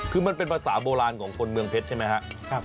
คือมันเป็นภาษาโบราณของคนเมืองเพชรใช่ไหมครับ